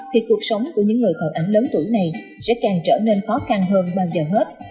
thì cuộc sống của những người còn ảnh lớn tuổi này sẽ càng trở nên khó khăn hơn bao giờ hết